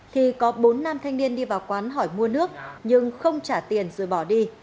thì có bốn nam thanh niên đi vào quán hỏi mua nước nhưng không trả tiền rồi bỏ đi